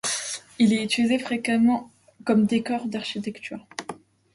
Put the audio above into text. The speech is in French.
Il est utilisé fréquemment comme décor d'architecture.